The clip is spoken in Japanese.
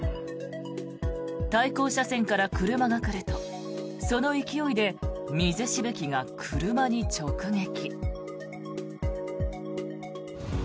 対向車線から車が来るとその勢いで水しぶきが車に直撃。